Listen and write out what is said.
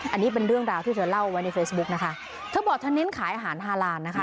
อันนี้เป็นเรื่องราวที่เธอเล่าไว้ในเฟซบุ๊กนะคะเธอบอกเธอเน้นขายอาหารฮาลานนะคะ